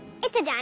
あ？